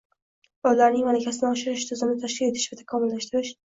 va ularning malakasini oshirish tizimini tashkil etish va takomillashtirish;